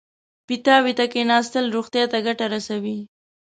پیتاوي ته کېناستل روغتیا ته ګټه رسوي.